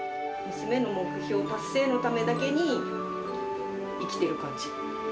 娘の目標達成のためだけに生きている感じ。